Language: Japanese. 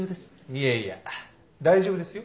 いやいや大丈夫ですよ。